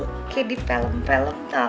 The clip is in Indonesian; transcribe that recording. kayak di film film tau